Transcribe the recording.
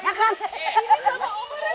kamu pegang mai